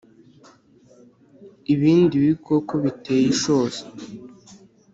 ibindi bikoko biteye ishozi,